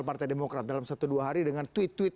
partai demokrat dalam satu dua hari dengan tweet tweet